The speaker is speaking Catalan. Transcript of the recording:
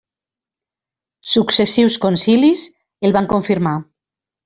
Successius concilis el van confirmar.